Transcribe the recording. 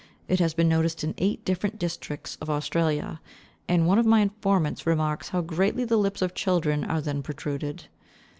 It has been noticed in eight different districts of Australia; and one of my informants remarks how greatly the lips of the children are then protruded.